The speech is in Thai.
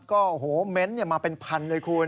โอ้โหเม้นต์มาเป็นพันเลยคุณ